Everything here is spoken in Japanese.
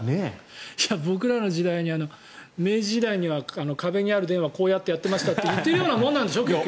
僕らの時代に明治時代には壁にある電話をこうやってやってましたって言ってるようなものでしょ？